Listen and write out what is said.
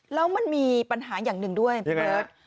แล้วมันมีปัญหาอย่างหนึ่งด้วยพี่เบิร์ต